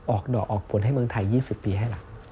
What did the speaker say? ออกดอกออกผลให้เมืองไทย๒๐ปีให้ล่ะ